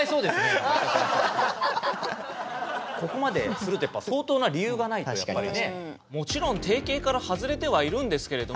ここまでするって相当な理由がないとやっぱりね。